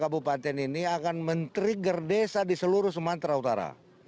kabupaten ini akan men trigger desa di seluruh sumatera utara